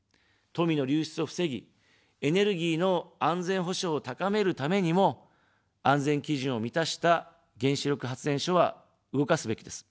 富の流出を防ぎ、エネルギーの安全保障を高めるためにも、安全基準を満たした原子力発電所は動かすべきです。